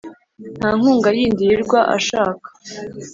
nta nkunga yindi yirirwa ashaka.